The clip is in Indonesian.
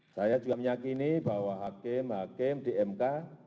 saya juga meyakini bahwa hakim hakim di mk